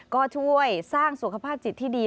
ก็ช่วยสร้างสุขภาพจิตที่ดี